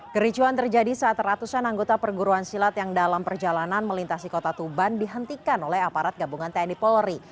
kericuan terjadi saat ratusan anggota perguruan silat yang dalam perjalanan melintasi kota tuban dihentikan oleh aparat gabungan tni polri